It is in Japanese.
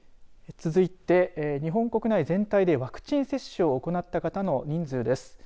続いて、日本国内全体でワクチン接種を行った方の人数です。